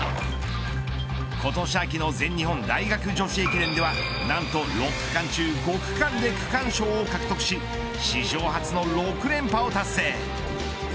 今年秋の全日本大学女子駅伝では何と６区間中５区間で区間賞を獲得し史上初の６連覇を達成。